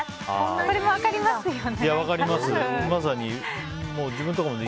これも分かりますよね。